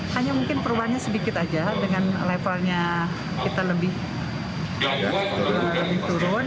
hanya mungkin perubahannya sedikit saja dengan levelnya kita lebih turun